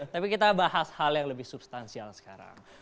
tapi kita bahas hal yang lebih substansial sekarang